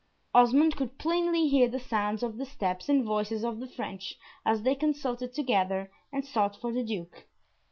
Osmond could plainly hear the sounds of the steps and voices of the French as they consulted together, and sought for the Duke.